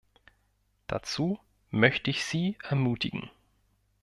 Dazu möchte ich Sie ermutigen.